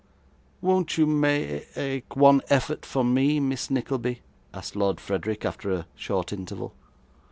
'Won't you ma ake one effort for me, Miss Nickleby?' asked Lord Frederick, after a short interval.